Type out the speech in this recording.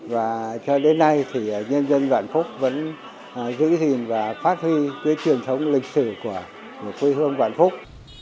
và cho đến nay thì nhân dân vạn phúc vẫn giữ gìn và phát huy cái truyền thống lịch sử của quê hương vạn phúc